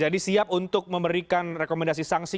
jadi siap untuk memberikan rekomendasi sanksi